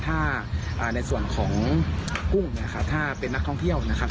ถ้าในส่วนของกุ้งเนี่ยครับถ้าเป็นนักท่องเที่ยวนะครับ